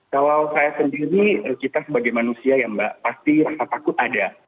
kalau saya sendiri kita sebagai manusia ya mbak pasti rasa takut ada